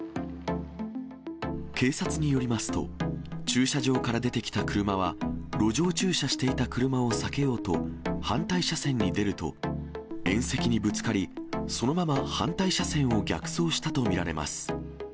警察によりますと、駐車場から出てきた車は、路上駐車していた車を避けようと、反対車線に出ると、縁石にぶつかり、そのまま反対車線を逆走したとみられます。